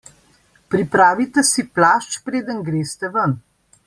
Pripravite si plašč preden greste ven.